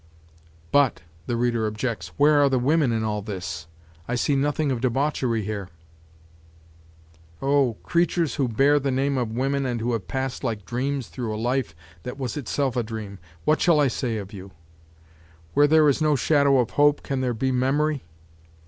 "But," the reader objects, "where are the women in all this? I see nothing of debauchery here." O! creatures who bear the name of women and who have passed like dreams through a life that was itself a dream, what shall I say of you? Where there is no shadow of hope can there be memory?